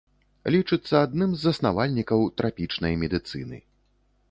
Лічыцца адным з заснавальнікаў трапічнай медыцыны.